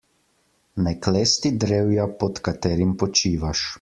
Ne klesti drevja pod katerim počivaš.